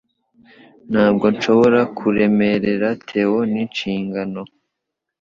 Ntabwo nshobora kuremerera Theo n'inshingano